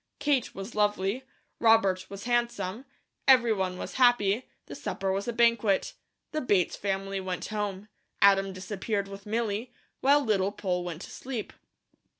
Kate was lovely, Robert was handsome, everyone was happy, the supper was a banquet. The Bates family went home, Adam disappeared with Milly, while Little Poll went to sleep.